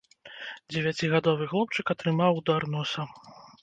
Дзевяцігадовы хлопчык атрымаў удар носа.